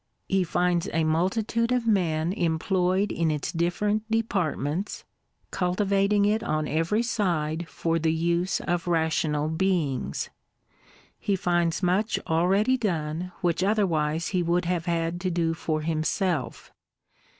He finds a multitude of men employed in its different departments, cultivating it on every side for the use of rational beings. He finds much already done which otherwise he would have had to do for himself.